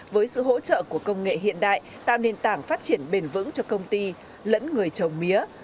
với sự hỗ trợ của công nghệ hiện đại tạo nền tảng phát triển bền vững cho công ty lẫn người trồng mía